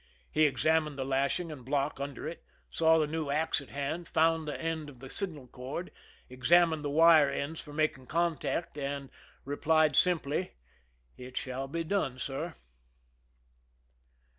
He examined the lashing and block under it, saw the new ax at hand, found the end of the signal cord, examined the wire ends for making contact, and replied simply :" It shall be done, sir."